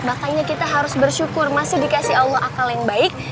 makanya kita harus bersyukur masih dikasih allah akal yang baik